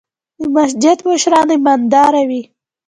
د مسجد مشر ايمانداره وي.